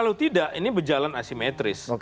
kalau tidak ini berjalan asimetris